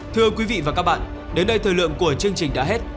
thưa quý vị và các bạn đến đây thời lượng của chương trình đã hết